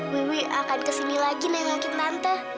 wuih akan kesini lagi nengakin tante